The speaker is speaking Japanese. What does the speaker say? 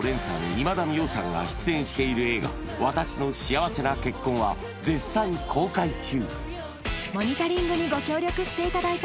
今田美桜さんが出演している映画「わたしの幸せな結婚」は絶賛公開中